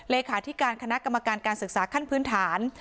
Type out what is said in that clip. เลขาธิการคณะกรรมการการศึกษาขั้นพื้นฐาน